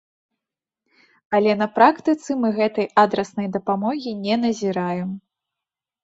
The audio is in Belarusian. Але на практыцы мы гэтай адраснай дапамогі не назіраем.